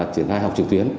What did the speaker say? triển khai học trực tuyến